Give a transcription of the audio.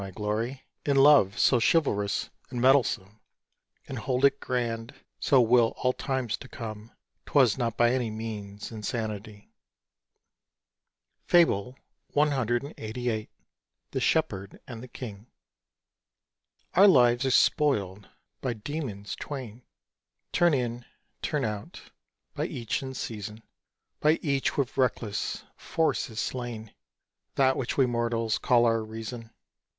I glory In love, so chivalrous and mettlesome, And hold it grand (so will all times to come). 'Twas not by any means insanity. FABLE CLXXXVIII. THE SHEPHERD AND THE KING. Our lives are spoiled by demons twain; Turn in, turn out; by each, in season; By each with reckless force is slain That which we mortals call our reason.